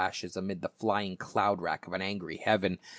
shes amid the flying cloud rack of an angry heaven.